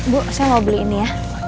bu saya mau beli ini ya